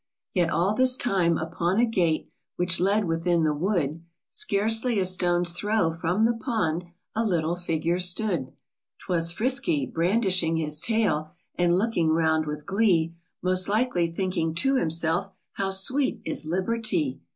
Vet all this time upon a gate Which led within the wood, Scarcely a stone's throw from the pond, A little figure stood. 'Twas Frisky, brandishing his tail And looking round with glee : Most likely thinking to himself, " How sweet is liberty